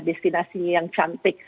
destinasinya yang cantik